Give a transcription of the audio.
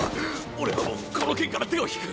俺はもうこの件から手を引く。